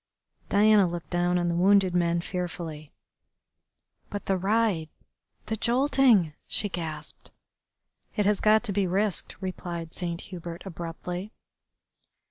Diana looked down on the wounded man fearfully. "But the ride the jolting," she gasped. "It has got to be risked," replied Saint Hubert abruptly.